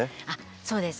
そうです。